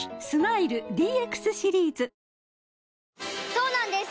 そうなんです